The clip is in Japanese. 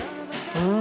うん！